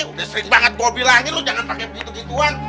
udah sering banget bawa bilangnya lo jangan pake gitu gituan